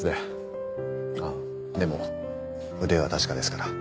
ああでも腕は確かですから。